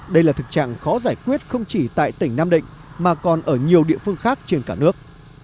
đây là thực trạng khó giải quyết không chỉ tại tỉnh nam định mà còn ở nhiều địa phương khác trên cả nước